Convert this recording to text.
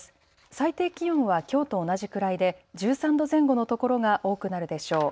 最低気温はきょうと同じくらいで１３度前後の所が多くなるでしょう。